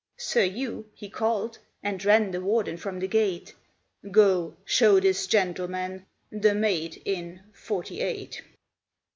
SIR HUGH he called and ran The warden from the gate, "Go, show this gentleman The maid in forty eight."